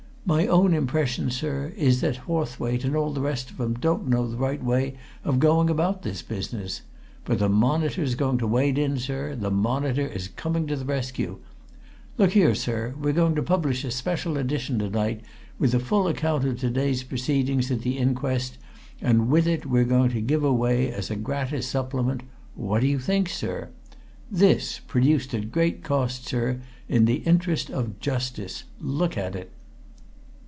My own impression, sir, is that Hawthwaite and all the rest of 'em don't know the right way of going about this business. But the Monitor's going to wade in, sir the Monitor is coming to the rescue! Look here, sir, we're going to publish a special edition to night, with a full account of to day's proceedings at the inquest, and with it we're going to give away, as a gratis supplement what do you think, sir? This, produced at great cost, sir, in the interest of Justice! Look at it!"